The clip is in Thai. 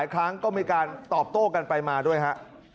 ครั้งก็มีการตอบโต้กันไปมาด้วยฮะ